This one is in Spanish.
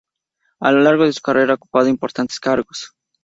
A lo largo de su carrera ha ocupado importantes cargos.